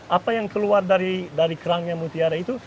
apa yang keluar dari kerangnya mutiara itu